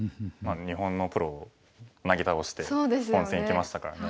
日本のプロをなぎ倒して本戦いきましたからね。